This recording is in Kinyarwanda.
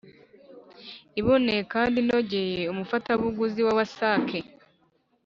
iboneye kandi inogeye umufatabuguzi wa waasac